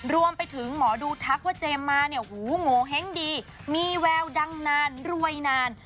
รวมไปถึงหมอดูทักว่าเจมส์มาเนี่ยหูโงเห้งดีมีแววดังนานรวยนาน